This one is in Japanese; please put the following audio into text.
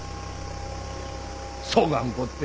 そがんこっで。